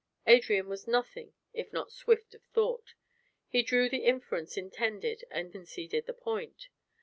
Adrian was nothing if not swift of thought; he drew the inference intended and conceded the point.